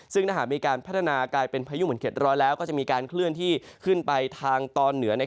ซึ่งถ้าหากมีการพัฒนากลายเป็นพายุเหมือนเข็ดร้อนแล้วก็จะมีการเคลื่อนที่ขึ้นไปทางตอนเหนือ